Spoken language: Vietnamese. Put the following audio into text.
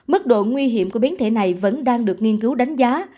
mức độ nguy hiểm của biến thể này vẫn đang được nghiên cứu đánh giá